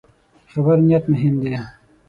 د خبرو نیت مهم دی